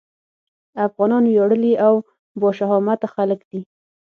افغانان وياړلي او باشهامته خلک دي.